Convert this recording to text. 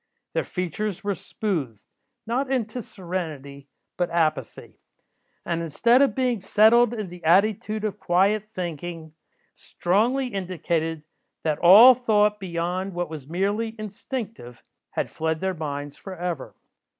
Their features were smoothed, not into serenity, but apathy; and, instead of being settled in the attitude of quiet thinking, strongly indicated, that all thought beyond what was merely instinctive, had fled their minds for ever.